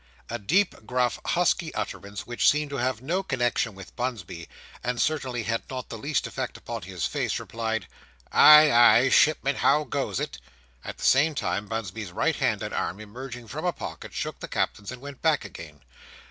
A deep, gruff, husky utterance, which seemed to have no connexion with Bunsby, and certainly had not the least effect upon his face, replied, "Ay, ay, shipmet, how goes it?" At the same time Bunsby's right hand and arm, emerging from a pocket, shook the Captain's, and went back again.